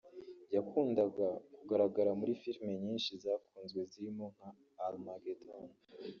yakundaga kugaragara muri filime nyinshi zakunzwe zirimo nka Armageddon